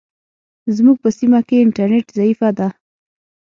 زموږ په سیمه کې انټرنیټ ضعیفه ده.